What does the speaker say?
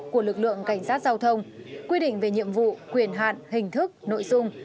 của lực lượng cảnh sát giao thông quy định về nhiệm vụ quyền hạn hình thức nội dung